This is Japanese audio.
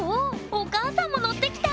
お母さんものってきた！